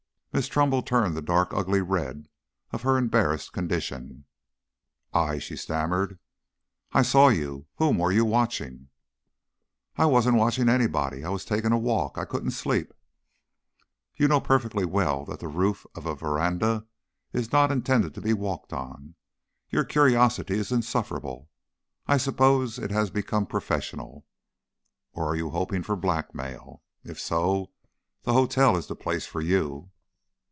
Miss Trumbull turned the dark ugly red of her embarrassed condition. "I " she stammered. "I saw you. Whom were you watching?" "I warn't watchin' anybody. I was takin' a walk. I couldn't sleep." "You know perfectly well that the roof of a veranda is not intended to be walked on. Your curiosity is insufferable. I suppose it has become professional. Or are you hoping for blackmail? If so, the hotel is the place for you."